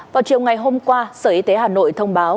vào chiều ngày hôm qua sở y tế hà nội thông báo